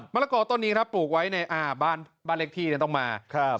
มรกอตอนนี้ครับปลูกไว้ในอ่าบ้านเล็กพี่เนี่ยต้องมา